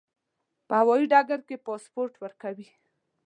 په هوایي ډګر کې پاسپورت ورکوي.